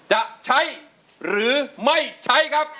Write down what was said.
จะใช้หรือไม่ใช้ครับ